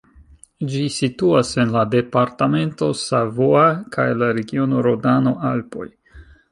Ĝi situas en la departamento Savoie kaj la regiono Rodano-Alpoj.